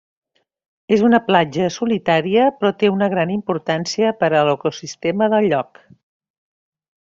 És una platja solitària però té una gran importància per a l'ecosistema del lloc.